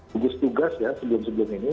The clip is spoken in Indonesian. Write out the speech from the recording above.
gugus tugas ya sebelum sebelum ini